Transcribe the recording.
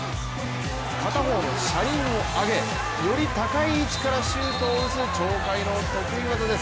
片方の車輪を上げより高い位置からシュートを打つ鳥海の得意技です。